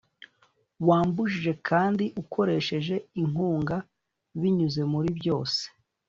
wambujije kandi ukoresheje inkunga binyuze muri byose,